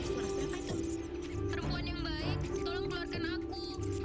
kalau bangunnya pelan pelan dong